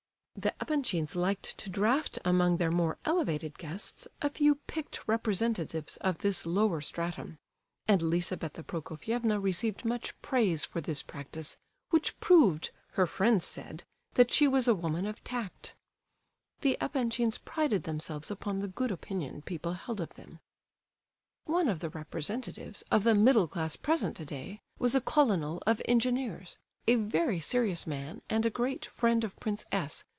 The Epanchins liked to draft among their more elevated guests a few picked representatives of this lower stratum, and Lizabetha Prokofievna received much praise for this practice, which proved, her friends said, that she was a woman of tact. The Epanchins prided themselves upon the good opinion people held of them. One of the representatives of the middle class present today was a colonel of engineers, a very serious man and a great friend of Prince S.